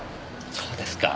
そうですか。